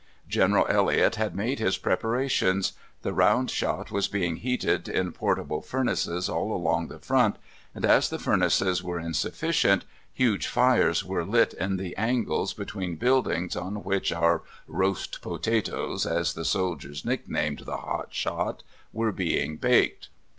General Elliott had made his preparations: the round shot was being heated in portable furnaces all along the front, and as the furnaces were insufficient, huge fires were lit in the angles between buildings on which our "roast potatoes," as the soldiers nicknamed the hot shot, were being baked.